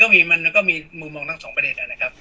มีมันก็มีมุมมองทั้งสองประเด็นนะครับ